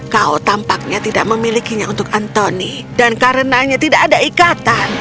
kau tampaknya tidak memilikinya untuk anthony dan karenanya tidak ada ikatan